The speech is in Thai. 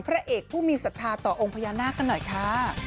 พระเอกผู้มีศรัทธาต่อองค์พญานาคกันหน่อยค่ะ